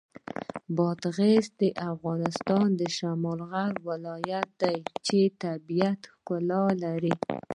بادغیس د افغانستان د شمال غرب ولایت دی چې د طبیعت ښکلا لري.